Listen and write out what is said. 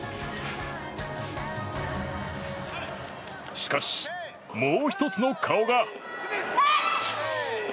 しかし、もう１つの顔が。